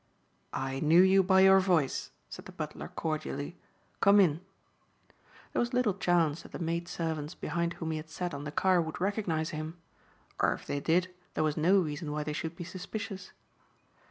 "I knew you by your voice," said the butler cordially. "Come in." There was little chance that the maid servants behind whom he had sat on the car would recognize him. Or if they did there was no reason why they should be suspicious.